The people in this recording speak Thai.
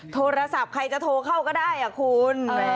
โทรศัพท์ใครจะโทรเข้าก็ได้คุณ